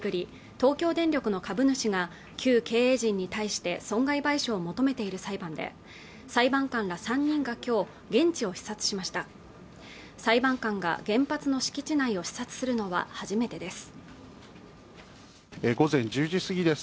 東京電力の株主が旧経営陣に対して損害賠償を求めている裁判で裁判官ら３人がきょう現地を視察しました裁判官が原発の敷地内を視察するのは初めてです午前１０時過ぎです